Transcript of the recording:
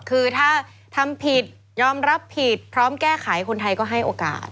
คือถ้าทำผิดยอมรับผิดพร้อมแก้ไขคนไทยก็ให้โอกาส